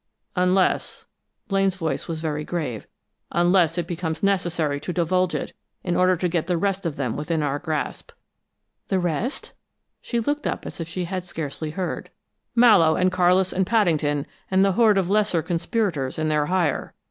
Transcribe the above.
"Unless," Blaine's voice was very grave "unless it becomes necessary to divulge it in order to get the rest of them within our grasp." "The rest?" she looked up as if she had scarcely heard. "Mallowe and Carlis and Paddington and the horde of lesser conspirators in their hire.